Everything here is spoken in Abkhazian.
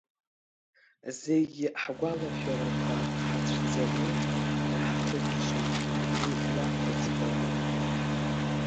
Зегь ҳгәалашәарақәа ҳацәӡаны, даҳхыччон Уи, иаԥу ӡбаны…